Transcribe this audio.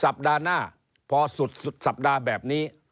สัปดาห์หน้าพอสุดสัปดาห์แบบนี้